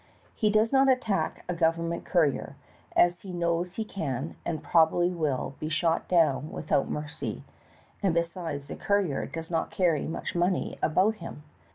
He does not attack a govern ment courier, as he knows he can, and probably will, be shot down without mercy, and besides, the courier does not carry much money about him.